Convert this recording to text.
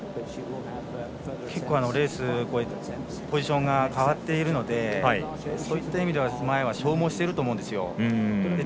結構、レースポジションが変わっているのでそういった意味では前は消耗していると思うんですよ。